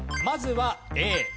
まずはＡ。